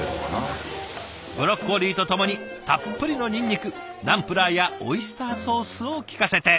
ブロッコリーと共にたっぷりのにんにくナンプラーやオイスターソースを効かせて。